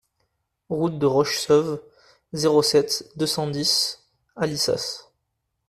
Route de Rochessauve, zéro sept, deux cent dix Alissas